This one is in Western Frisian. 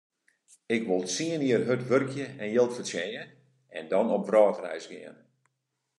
Ik wol tsien jier hurd wurkje en jild fertsjinje en dan op wrâldreis gean.